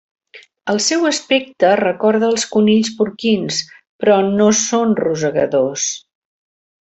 El seu aspecte recorda els conills porquins, però no són rosegadors.